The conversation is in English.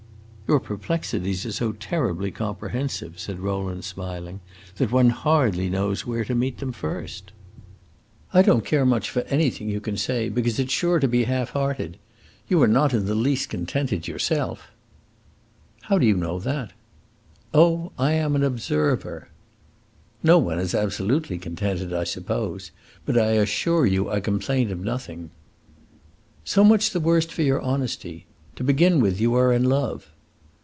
"Your perplexities are so terribly comprehensive," said Rowland, smiling, "that one hardly knows where to meet them first." "I don't care much for anything you can say, because it 's sure to be half hearted. You are not in the least contented, yourself." "How do you know that?" "Oh, I am an observer!" "No one is absolutely contented, I suppose, but I assure you I complain of nothing." "So much the worse for your honesty. To begin with, you are in love."